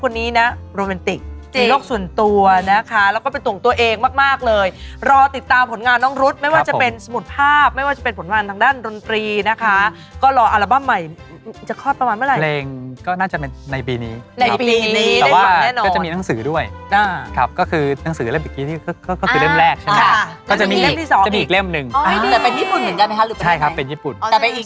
คุณแม่งคุณแม่งคุณแม่งคุณแม่งคุณแม่งคุณแม่งคุณแม่งคุณแม่งคุณแม่งคุณแม่งคุณแม่งคุณแม่งคุณแม่งคุณแม่งคุณแม่งคุณแม่งคุณแม่งคุณแม่งคุณแม่งคุณแม่งคุณแม่งคุณแม่งคุณแม่งคุณแม่งคุณแม่งคุณแม่งคุณแม่งคุณแม